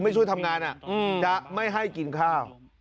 ไม่ช่วยทำงานจะไม่ให้กินข้าว